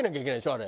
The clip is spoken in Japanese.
あれ。